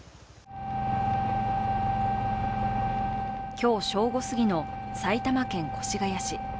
今日正午すぎの埼玉県越谷市。